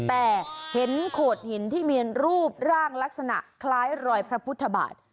แต่เห็นโขดหินที่มีรูปร่างลักษณะคล้ายรอยพระพุทธบาท